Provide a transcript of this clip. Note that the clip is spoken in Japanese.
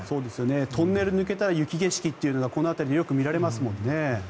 トンネルを抜けたら雪景色ってこの辺りでよく見られますもんね。